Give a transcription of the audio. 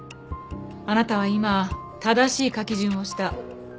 あなたは今正しい書き順をした。